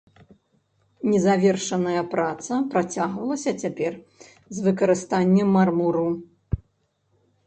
Незавершаная праца працягвалася цяпер з выкарыстаннем мармуру.